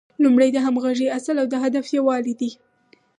لومړی د همغږۍ اصل او د هدف یووالی دی.